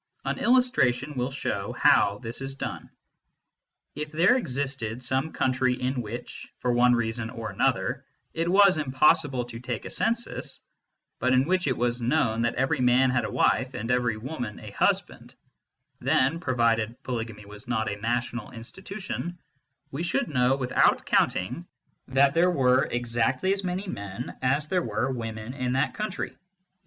An illustration will show how this is done. If there existed some country in which, for one reason or another, it was impossible to take a census, but in which it was known that every man had a wife and every woman a husband, then (provided polygamy was not a national institution) we should know, without counting, that there were exactly as many men as there were women in that country, neither more nor 1 [Note added in 1917.